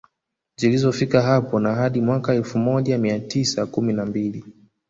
Zilizofika hapo na hadi mwaka elfu moja mia tisa kumi na mbili